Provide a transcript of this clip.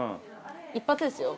一発ですよ。